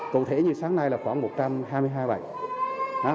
cụ thể như sáng nay là khoảng một trăm hai mươi hai bài